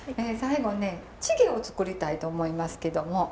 え最後ねチゲを作りたいと思いますけども。